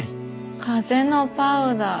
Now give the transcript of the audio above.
風のパウダー。